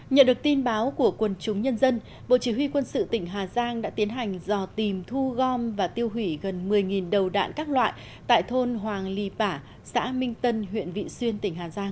nhận được tin báo của quần chúng nhân dân bộ chỉ huy quân sự tỉnh hà giang đã tiến hành dò tìm thu gom và tiêu hủy gần một mươi đầu đạn các loại tại thôn hoàng lì pả xã minh tân huyện vị xuyên tỉnh hà giang